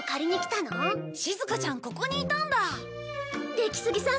出木杉さん